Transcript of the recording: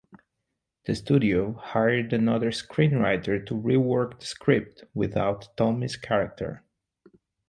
The studio hired another screenwriter to rework the script without Tomei's character.